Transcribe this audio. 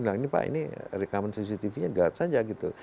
nah ini pak ini rekaman cctv nya gulat saja gitu